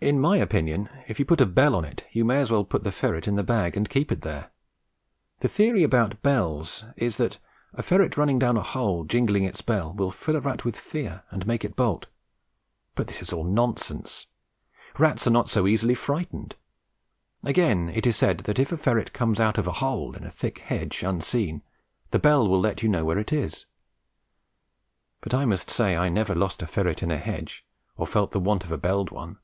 In my opinion, if you put a bell on it, you may as well put the ferret in the bag and keep it there. The theory about bells is, that a ferret running down a hole jingling its bell will fill a rat with fear and make it bolt, but this is all nonsense; rats are not so easily frightened. Again, it is said that if a ferret comes out of a hole in a thick hedge unseen, the bell will let you know where it is; but I must say I never lost a ferret in a hedge or felt the want of a belled one.